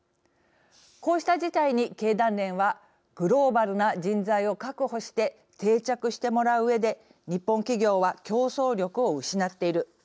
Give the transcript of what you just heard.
こうした事態に、経団連はグローバルな人材を確保して定着してもらううえで日本企業は競争力を失っている。